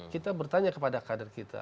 kita bertanya kepada kader kita